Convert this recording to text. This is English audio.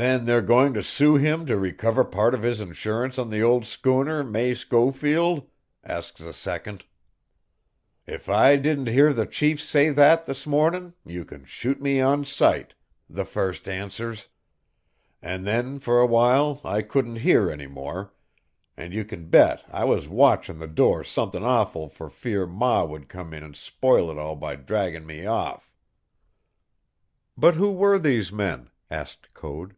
"'Then they're goin' to sue him to recover part of his insurance on the old schooner May Schofield?' asks the second. "'If I didn't hear the chief say that this mornin' you can shoot me on sight!' the first answers. An' then for a while I couldn't hear any more, an' you can bet I was watchin' the door somethin' awful for fear ma would come in an' spoil it all by draggin' me off." "But who were these men?" asked Code.